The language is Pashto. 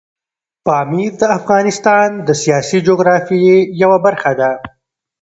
پامیر د افغانستان د سیاسي جغرافیې یوه برخه ده.